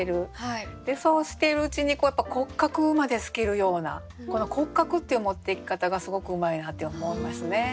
そうしているうちにやっぱ骨格まで透けるようなこの「骨格」っていう持っていき方がすごくうまいなって思いますね。